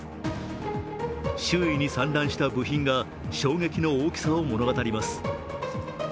周囲に散乱した部品が衝撃の大きさを物語ります。